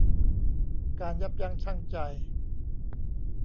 การยับยั้งชั่งใจ